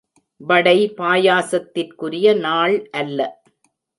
வடை பாயசத்திற்குரிய நாள் அல்ல.